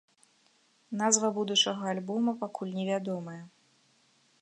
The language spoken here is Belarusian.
Назва будучага альбома пакуль невядомая.